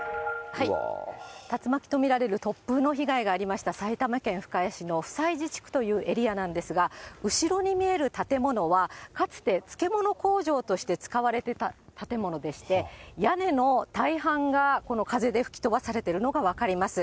竜巻と見られる突風の被害がありました埼玉県深谷市の普済寺地区というエリアなんですが、後ろに見える建物は、かつて、漬物工場として使われていた建物でして、屋根の大半が、この風で吹き飛ばされているのが分かります。